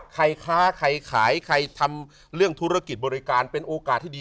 ค้าใครขายใครทำเรื่องธุรกิจบริการเป็นโอกาสที่ดี